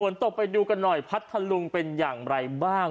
ตกไปดูกันหน่อยพัทธลุงเป็นอย่างไรบ้าง